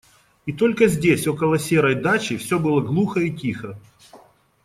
И только здесь, около серой дачи, все было глухо и тихо.